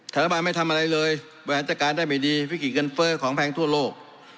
รัฐบาลไม่ทำอะไรเลยบริหารจัดการได้ไม่ดีวิกฤตเงินเฟ้อของแพงทั่วโลก